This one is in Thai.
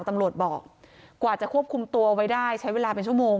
ตำรวจบอกกว่าจะควบคุมตัวไว้ได้ใช้เวลาเป็นชั่วโมง